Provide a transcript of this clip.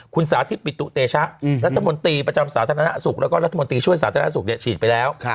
คุณสาธิตปิตุเตชะรัฐมนตรีประจำสาธารณสุขแล้วก็รัฐมนตรีช่วยสาธารณสุขฉีดไปแล้ว